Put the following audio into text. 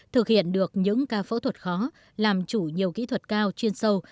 thực hiện được những ca phẫu thuật khó làm chủ nhiều kỹ thuật cao chuyên sâu